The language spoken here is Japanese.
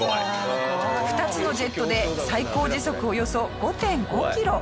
２つのジェットで最高時速およそ５．５キロ。